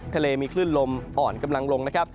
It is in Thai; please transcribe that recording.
ทะเลมีคลื่นลมอ่อนกำลังลงนะครับ